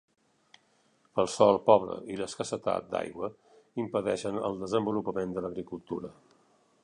El sòl pobre i l'escassetat d'aigua impedeixen el desenvolupament de l'agricultura.